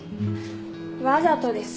わざとです。